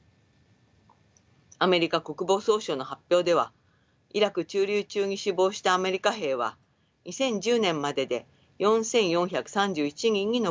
アメリカ国防総省の発表ではイラク駐留中に死亡したアメリカ兵は２０１０年までで４，４３１人に上ります。